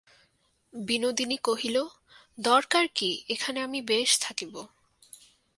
বিনোদিনী কহিল, দরকার কী, এখানে আমি বেশ থাকিব।